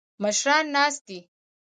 مشران ناست دي.